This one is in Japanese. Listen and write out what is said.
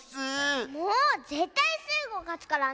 もうぜったいスイ子かつからね！